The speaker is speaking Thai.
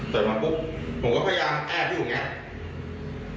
เปิดมาปุ๊บผมก็พยายามแอบอยู่อย่างนี้